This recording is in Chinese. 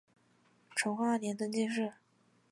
成化二年登进士。